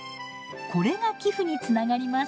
これが寄付につながります。